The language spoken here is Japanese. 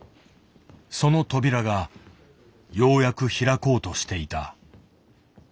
その扉がようやく開こうとしていた。